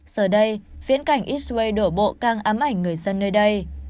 giờ đây viễn cảnh israel đổ bộ càng ám ảnh người dân nơi đây